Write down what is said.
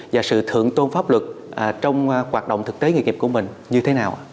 và sự thượng tôn pháp luật trong hoạt động thực tế nghề nghiệp của mình như thế nào